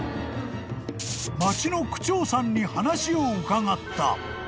［町の区長さんに話を伺った］